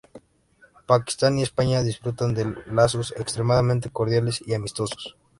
Pakistán y España disfrutan de lazos extremadamente cordiales y amistosos.